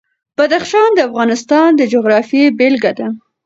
بدخشان د افغانستان د جغرافیې بېلګه ده.